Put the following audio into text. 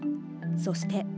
そして。